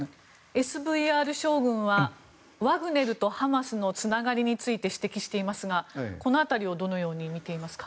ＳＶＲ将軍はワグネルとハマスのつながりについて指摘していますが、この辺りをどのように見ていますか？